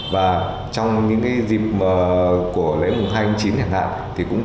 và trong những dịp của lễ mùng hai hành chính hiện hạn